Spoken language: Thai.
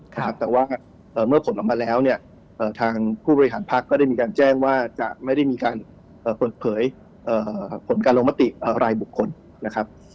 แต่ว่าเมื่อผลออกมาแล้วเนี่ยทางผู้บริหารพักก็ได้มีการแจ้งว่าจะไม่ได้มีการเปิดเผยผลการลงมติรายบุคคลนะครับ